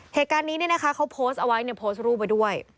เหตุการณ์นี้เขาโพสต์เอาไว้ในโพสต์รูปไปด้วย